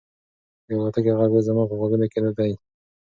د الوتکې غږ اوس زما په غوږونو کې نه دی.